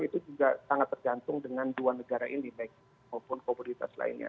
itu juga sangat tergantung dengan dua negara ini baik maupun komoditas lainnya